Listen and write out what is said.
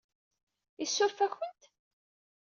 Isuref-akent?